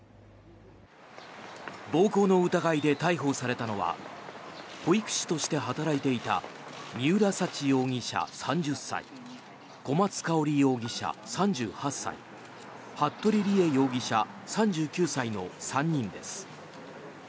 暴行の疑いで逮捕されたのは保育士として働いていた三浦沙知容疑者、３０歳小松香織容疑者、３８歳服部理江容疑者、３９歳の３人です。